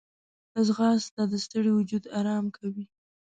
ځغاسته د ستړي وجود آرام کوي